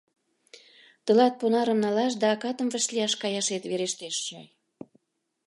— Тылат понарым налаш да акатым вашлияш каяшет верештеш чай.